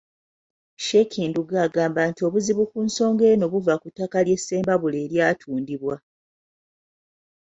Shiekh Ndugga agamba nti obuzibu ku nsonga eno buva ku ttaka lye Ssembabule eryatundibwa.